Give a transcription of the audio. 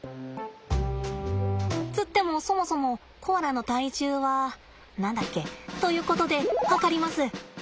つってもそもそもコアラの体重は何だっけ？ということで量ります。